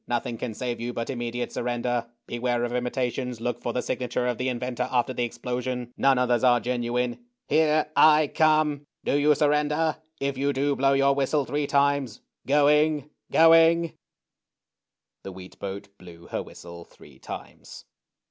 Nothing can save you but immediate sur render. Beware of imitations. Look for the signature of the inventor, after the explosion. None others are genuine. Here — I — come ! Do you surrender ? If you do, blow your whistle three times. Going — going ''— The wheat boat blew her whistle three times.